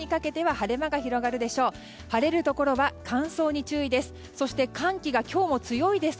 晴れるところは乾燥に注意です。